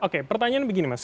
oke pertanyaan begini mas